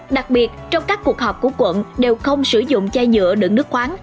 đặc biệt trong các cuộc họp của quận đều không sử dụng chai nhựa đựng nước khoáng